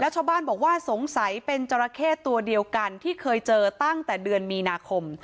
ชาวบ้านบอกว่าสงสัยเป็นจราเข้ตัวเดียวกันที่เคยเจอตั้งแต่เดือนมีนาคม